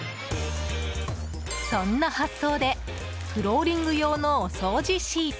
そんな発想でフローリング用のお掃除シート。